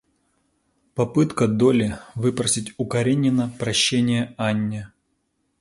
Попытка Долли выпросить у Каренина прощение Анне.